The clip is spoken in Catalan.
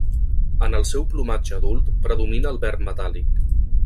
En el seu plomatge adult predomina el verd metàl·lic.